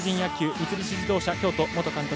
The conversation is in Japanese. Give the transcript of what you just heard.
三菱自動車京都元監督